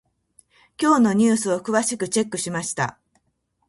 今日のニュースを詳しくチェックしました。